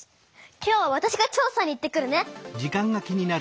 今日はわたしが調さに行ってくるね！